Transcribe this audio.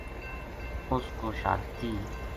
اس کو شہادتی